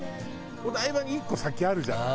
お台場に１個先あるじゃない。